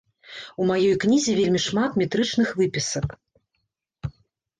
У маёй кнізе вельмі шмат метрычных выпісак.